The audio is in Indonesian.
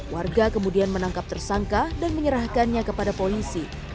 warga kemudian menangkap tersangka dan menyerahkannya kepada polisi